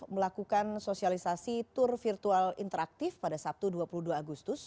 melakukan sosialisasi tour virtual interaktif pada sabtu dua puluh dua agustus